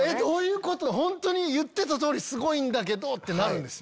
「本当に言ってた通りすごいんだけど」ってなるんです。